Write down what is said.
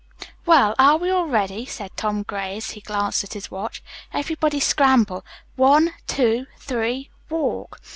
"Well, are we all ready?" said Tom Gray, as he glanced at his watch. "Everybody scramble. One, two, three, walk."